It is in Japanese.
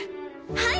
はい！